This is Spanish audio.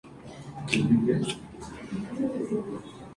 Han trabajado para la famosísima revista internacional "Vogue".